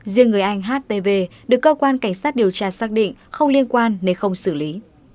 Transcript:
riêng người anh htv được cơ quan cảnh sát điều tra xác định không liên quan nên không xử lý